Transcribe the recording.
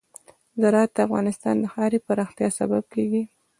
زراعت د افغانستان د ښاري پراختیا سبب کېږي.